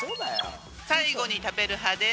最後に食べる派です。